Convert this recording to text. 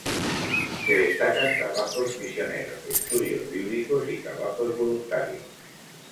Se destacan trabajos misioneros, estudios bíblicos y trabajos voluntarios.